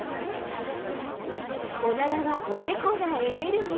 オナラはエコなエネルギー！